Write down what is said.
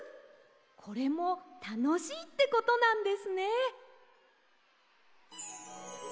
これも「たのしい」ってことなんですね。